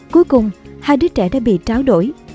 cuối cùng hai đứa trẻ đã bị đánh